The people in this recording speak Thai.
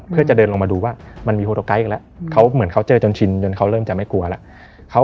เพื่อจะเดินลงมาดูว่ามันมีโฮโตไกด์อีกแล้วเขาเหมือนเขาเจอจนชินจนเขาเริ่มจะไม่กลัวแล้ว